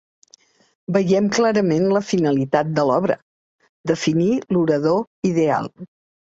Veiem clarament la finalitat de l'obra: definir l'orador ideal.